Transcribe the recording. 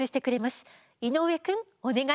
井上くんお願い。